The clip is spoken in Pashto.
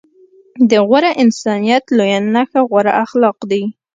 د غوره انسانيت لويه نښه غوره اخلاق دي.